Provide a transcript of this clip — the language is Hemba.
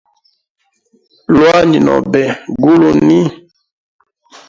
Iwanyi nobe guluni?